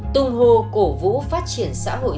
tung hô cổ vũ phát triển xã hội